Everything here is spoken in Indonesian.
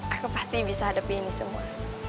aku pasti bisa hadapi ini semua